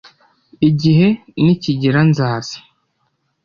igihe nikigera nzaza